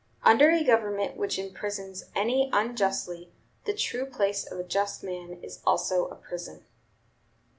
Under a government which imprisons any unjustly, the true place for a just man is also a prison."